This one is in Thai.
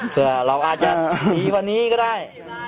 เพื่อเราจะถี้วันนี้ก็ได้